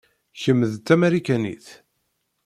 Kemm d tamarikanit.